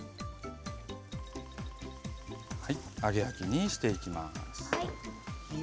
揚げ焼きにしていきます。